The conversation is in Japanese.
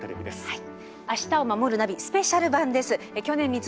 はい。